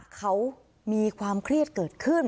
เขามีความเครียดเกิดขึ้น